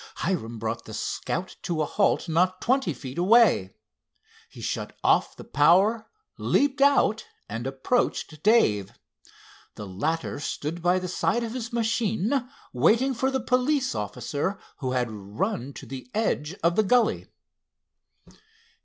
Hiram brought the Scout to a halt not twenty feet away. He shut off the power, leaped out and approached Dave. The latter stood by the side of his machine watching the police officer who had run to the edge of the gully.